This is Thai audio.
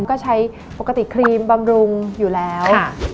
ก็ใช้ปกติครีมบำรุงอยู่แล้ว